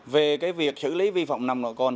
về việc xử lý vi phạm nồng độ cồn